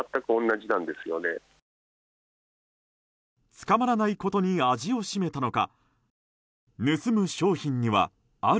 捕まらないことに味を占めたのか。